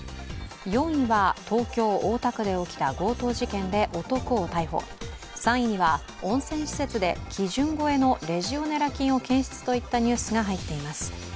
４位は東京・大田区で起きた強盗事件で男を逮捕３位には温泉施設で基準超えのレジオネラ菌を検出といったニュースが入っています。